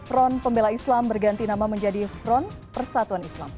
front pembela islam berganti nama menjadi front persatuan islam